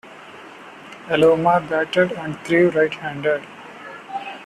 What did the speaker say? Aloma batted and threw right-handed.